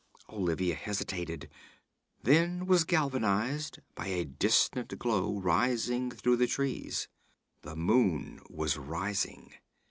Olivia hesitated then was galvanized by a distant glow rising through the trees. The moon was rising!